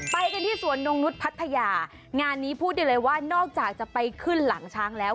ไปกันที่สวนนงนุษย์พัทยางานนี้พูดได้เลยว่านอกจากจะไปขึ้นหลังช้างแล้ว